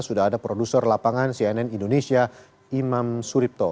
sudah ada produser lapangan cnn indonesia imam suripto